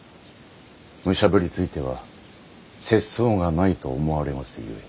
むしゃぶりついては節操がないと思われますゆえ。